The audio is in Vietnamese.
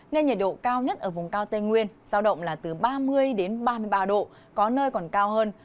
nên nhiệt độ cao nhất ở vùng cao tây nguyên giao động là từ ba mươi đến ba mươi ba độ có nơi còn cao hơn